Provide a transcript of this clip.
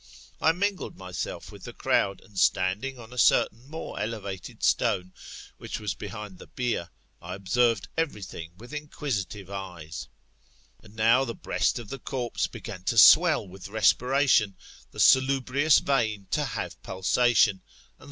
I mingled myself with the crowd, and standing on a certain more elevated stone, which was behind the bier, I observed every thing with inquisitive eyes. And now the breast of the corpse began to swell with respiration ; the salubrious vein [i,e, the artery] to have pulsation ; and the body to be filled with spirit.